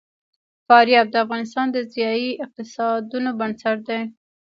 فاریاب د افغانستان د ځایي اقتصادونو بنسټ دی.